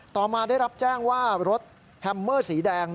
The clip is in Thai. ต่อมาได้รับแจ้งว่ารถแฮมเมอร์สีแดง